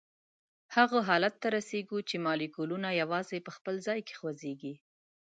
هغه حالت ته رسیږو چې مالیکولونه یوازي په خپل ځای کې خوځیږي.